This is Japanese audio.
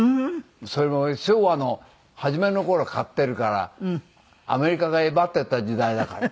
それも昭和の初めの頃買ってるからアメリカがえばってた時代だから。